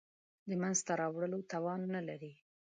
د منځته راوړلو توان نه لري.